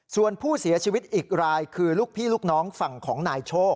ส่วนผู้เสียชีวิตอีกรายคือลูกพี่ลูกน้องฝั่งของนายโชค